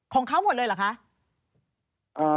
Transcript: ของเขาหมดเลยเหรอคะ